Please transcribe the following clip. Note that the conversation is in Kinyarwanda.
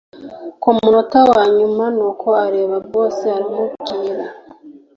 kumunota wanyuma nuko areba boss aramubwira